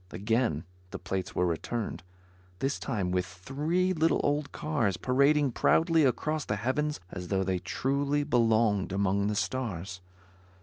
Again the plates were returned; this time with three little old cars parading proudly across the heavens as though they truly belonged among the stars.